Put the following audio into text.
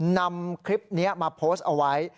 นำคลิปนี้มาโพสต์เอาไว้